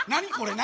何？